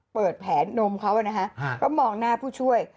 เปิดแผนนมเขานะคะก็มองหน้าผู้ช่วย